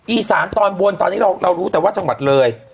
อีสานตอนบนตอนนี้เรารู้แต่ว่าจังหวัดเลย